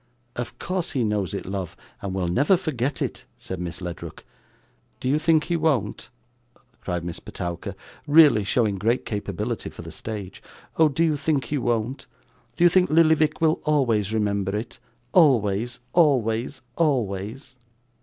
'Of course he knows it, love, and will never forget it,' said Miss Ledrook. 'Do you think he won't?' cried Miss Petowker, really showing great capability for the stage. 'Oh, do you think he won't? Do you think Lillyvick will always remember it always, always, always?